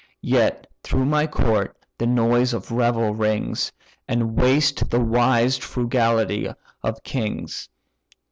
Yet through my court the noise of revel rings, And waste the wise frugality of kings.